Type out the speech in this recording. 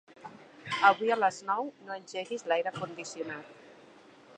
Avui a les nou no engeguis l'aire condicionat.